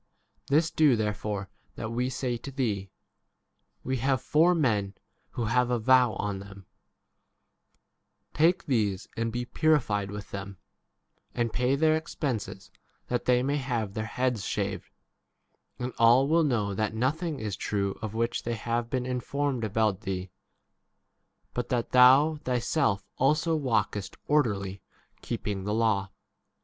This do therefore that we say to thee : We have four men 24 who have a vow on them ; take these and be purified with them, and pay their expenses, that they may have their heads shaved ; and all will n know that nothing is [true] of which they have been informed about thee ; but that thou thyself also walkest orderly, 25 keeping the law.